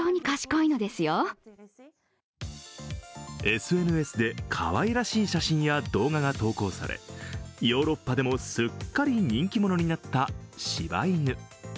ＳＮＳでかわいらしい写真や動画が投稿されヨーロッパでもすっかり人気者になった、しば犬。